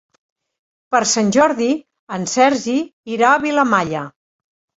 Per Sant Jordi en Sergi irà a Vilamalla.